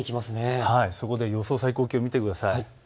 そこで予想最高気温見てください。